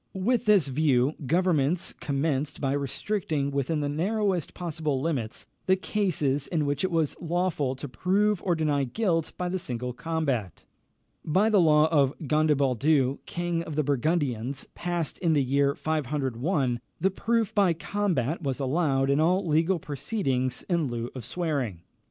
With this view, governments commenced by restricting within the narrowest possible limits the cases in which it was lawful to prove or deny guilt by the single combat. By the law of Gondebaldus king of the Burgundians, passed in the year 501, the proof by combat was allowed in all legal proceedings in lieu of swearing.